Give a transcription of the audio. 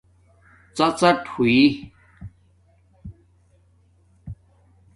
ڎڎاٹ ہوئئ